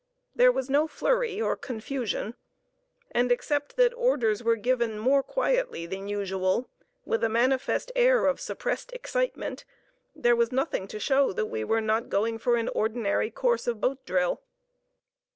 There was no flurry or confusion, and except that orders were given more quietly than usual, with a manifest air of suppressed excitement, there was nothing to show that we were not going for an ordinary course of boat drill.